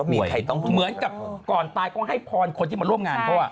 เหมือนกับก่อนตายก็ให้พรคนที่มาร่วมงานเขาอ่ะ